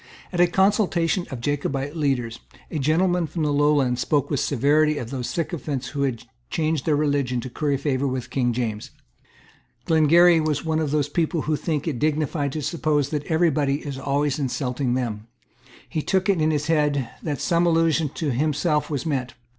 At a consultation of the Jacobite leaders, a gentleman from the Lowlands spoke with severity of those sycophants who had changed their religion to curry favour with King James. Glengarry was one of those people who think it dignified to suppose that every body is always insulting them. He took it into his head that some allusion to himself was meant.